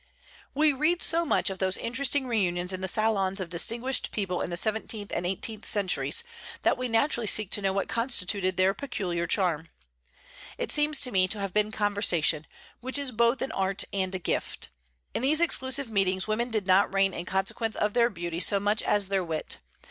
We read so much of those interesting reunions in the salons of distinguished people in the seventeenth and eighteenth centuries that we naturally seek to know what constituted their peculiar charm. It seems to me to have been conversation, which is both an art and a gift. In these exclusive meetings women did not reign in consequence of their beauty so much as their wit.